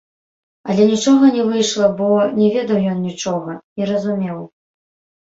Але нічога не выйшла, бо не ведаў ён нічога, не разумеў.